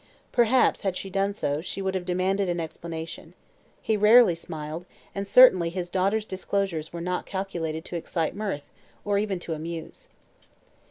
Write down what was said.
Perhaps, had she done so, she would have demanded an explanation. He rarely smiled, and certainly his daughter's disclosures were not calculated to excite mirth, or even to amuse.